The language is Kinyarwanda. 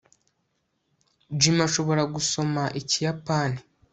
jim ashobora gusoma ikiyapani